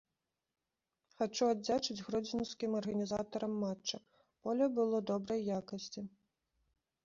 Хачу аддзячыць гродзенскім арганізатарам матча, поле было добрай якасці.